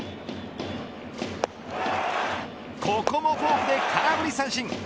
ここもフォークで空振り三振。